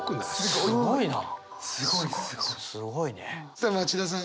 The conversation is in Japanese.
さあ町田さん。